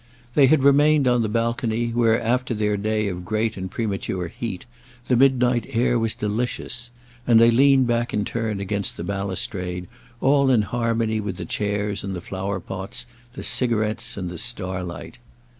They had remained on the balcony, where, after their day of great and premature heat, the midnight air was delicious; and they leaned back in turn against the balustrade, all in harmony with the chairs and the flower pots, the cigarettes and the starlight.